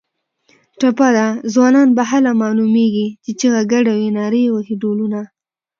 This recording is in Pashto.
ټپه ده: ځوانان به هله معلومېږي چې چیغه ګډه وي نري وهي ډولونه